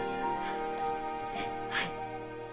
はい。